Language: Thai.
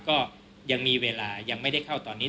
ก็ยังมีเวลายังไม่ได้เข้าตอนนี้